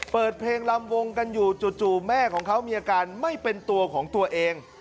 เปิดเพลงลำวงกันอยู่จู่แม่ของเขามีอาการไม่เป็นตัวของตัวเอง